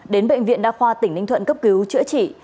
đến bệnh viện đa khoa tỉnh ninh thuận cấp cứu chữa trị